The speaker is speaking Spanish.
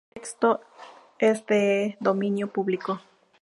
El texto es de dominio público.